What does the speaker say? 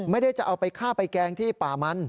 ไม่ได้จะเอาไปฆ่าไปแกงที่ป่ามัน